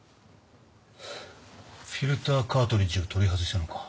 フィルターカートリッジを取り外したのか？